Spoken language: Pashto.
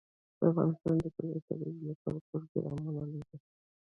افغانستان د کلي د ترویج لپاره پروګرامونه لري.